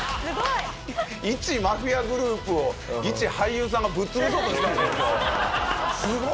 いちマフィアグループをいち俳優さんがぶっ潰そうとしたって事？